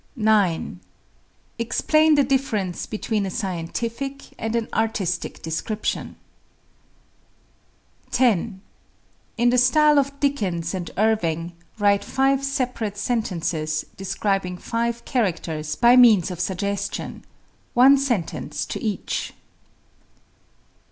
9. Explain the difference between a scientific and an artistic description. 10. In the style of Dickens and Irving (pages 234, 235), write five separate sentences describing five characters by means of suggestion one sentence to each.